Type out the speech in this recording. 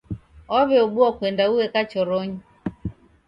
Waw'eobua kuenda ueka choronyi.